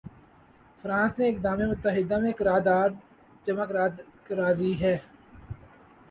France نے اقدام متحدہ میں قرارداد جمع کرا دی ہے۔